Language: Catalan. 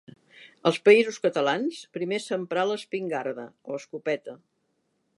Als Països Catalans primer s'emprà l'espingarda o escopeta.